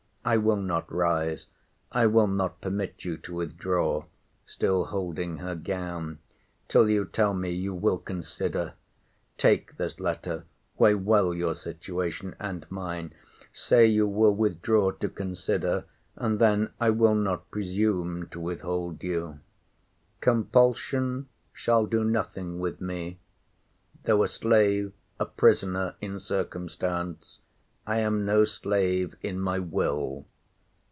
I will not rise. I will not permit you to withdraw [still holding her gown] till you tell me you will consider.—Take this letter. Weigh well your situation, and mine. Say you will withdraw to consider; and then I will not presume to withhold you. Compulsion shall do nothing with me. Though a slave, a prisoner, in circumstance, I am no slave in my will!